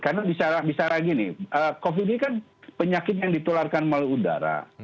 karena bisa lagi nih covid ini kan penyakit yang ditularkan melalui udara